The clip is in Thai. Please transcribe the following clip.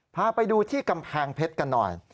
พาไปดูที่กำแพงเพชรกันหน่อย